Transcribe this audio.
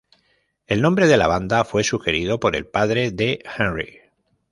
El nombre de la banda fue sugerido por el padre de Henrik.